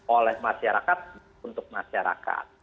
oleh masyarakat untuk masyarakat